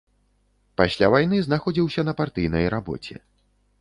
Пасля вайны знаходзіўся на партыйнай рабоце.